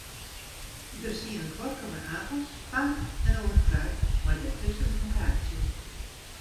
Der stie in kuorke mei apels, parren en oar fruit, mei dêrtusken in kaartsje.